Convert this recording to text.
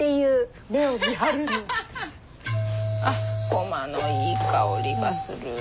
あっゴマのいい香りがする。